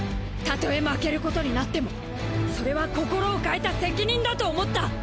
たとえ負けることになってもそれは心を変えた責任だと思った。